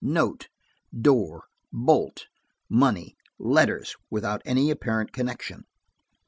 "Note." "Door." "Bolt." "Money." "Letters," without any apparent connection.